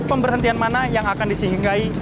pemberhentian mana yang akan disihinggahi